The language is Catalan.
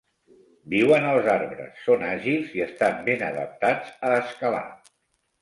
Viuen als arbres, són àgils i estan ben adaptats a escalar.